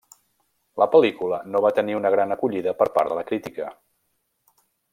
La pel·lícula no va tenir una gran acollida per part de la crítica.